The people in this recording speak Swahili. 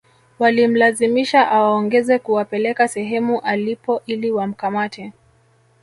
Walimlazimisha awaongoze kuwapeleka sehemu alipo ili wamkamate